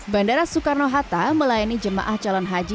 bandara soekarno hatta melayani jemaah calon haji